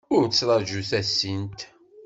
Ur ttraju tasint.